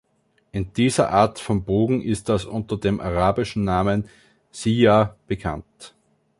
In dieser Art von Bogen ist das unter dem arabischen Namen „Siyah“ bekannt.